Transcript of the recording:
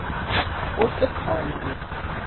افت کارمایه